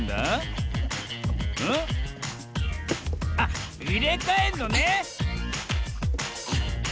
あっいれかえんのね！